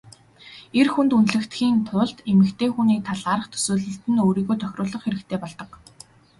Эр хүнд үнэлэгдэхийн тулд эмэгтэй хүний талаарх төсөөлөлд нь өөрийгөө тохируулах хэрэгтэй болдог.